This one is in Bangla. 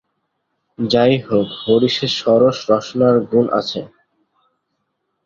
যাই হোক, হরিশের সরস রসনার গুণ আছে।